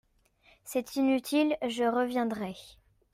C’est inutile… je reviendrai.